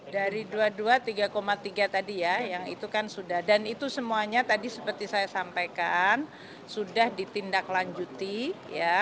dari dua puluh dua tiga tadi ya yang itu kan sudah dan itu semuanya tadi seperti saya sampaikan sudah ditindaklanjuti ya